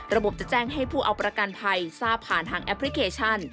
จะแจ้งให้ผู้เอาประกันภัยทราบผ่านทางแอปพลิเคชัน